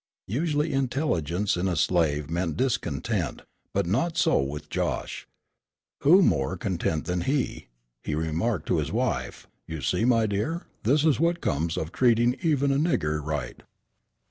Usually intelligence in a slave meant discontent; but not so with Josh. Who more content than he? He remarked to his wife: "You see, my dear, this is what comes of treating even a nigger right."